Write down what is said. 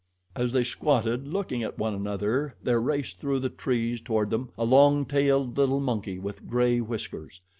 As they squatted looking at one another there raced through the trees toward them a long tailed little monkey with gray whiskers.